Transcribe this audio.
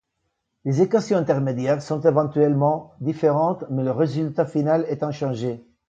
Les équations intermédiaires sont éventuellement différentes, mais le résultat final est inchangé.